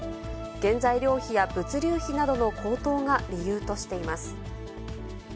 原材料費や物流費などの高騰が理由としています。